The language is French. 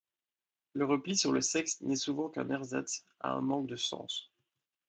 Le repli sur le sexe n’est souvent qu’un ersatz à un manque de sens.